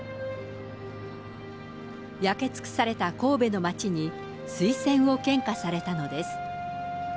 焼けつくされた神戸の町に、水仙を献花されたのです。